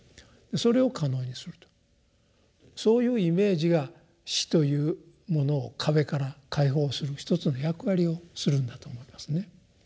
それを可能にするとそういうイメージが「死」というものを壁から解放する一つの役割をするんだと思いますね。